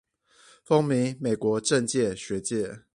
風靡美國政商學界